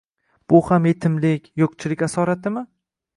Bu ham yetimlik, yo’qchilik asoratimi?